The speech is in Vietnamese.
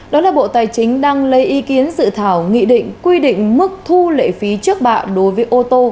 đó là bộ tài chính đang lấy ý kiến dự thảo nghị định quy định mức thu lệ phí trước bạ đối với ô tô